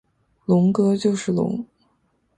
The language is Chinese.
龙哥就是龙！